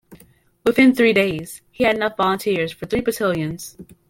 Within three days, he had enough volunteers for three battalions.